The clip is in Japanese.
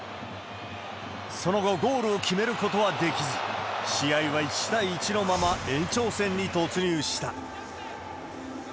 その後、ゴールを決めることはできず、試合は１対１のまま、延長戦に突入した。